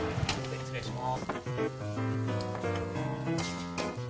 失礼します。